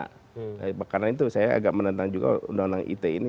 karena itu saya agak menentang juga undang undang ite ini